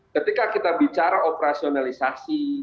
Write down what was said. ketika kita bicara operasionalisasi